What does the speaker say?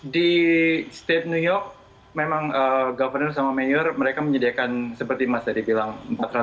di state new york memang government sama mayor mereka menyediakan seperti mas tadi bilang